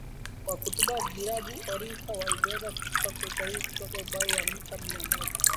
kwa kutupa vilabu orinka walivyoweza kutupa kwa usahihi kutoka umbali wa mita mia moja